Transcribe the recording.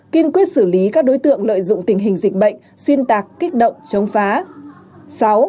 kiên quyết xử lý các đối tượng lợi dụng tình hình dịch bệnh xuyên tạc kích động chống phá